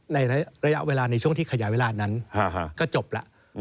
ในระยะเวลาในช่วงที่ขยายเวลานั้นก็จบแล้ว